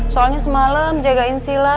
soalnya semalam jagain sila